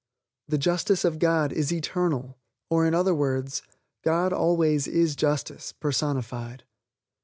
The justice of God is eternal, or, in other words, God always is Justice, personified.